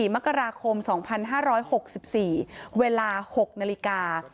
มกราคม๒๕๖๔เวลา๖นาฬิกา